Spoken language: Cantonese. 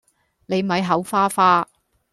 你咪口花花